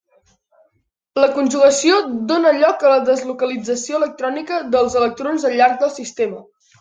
La conjugació dóna lloc a la deslocalització electrònica dels electrons al llarg del sistema.